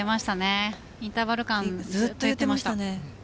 インターバル間ずっと言っていました。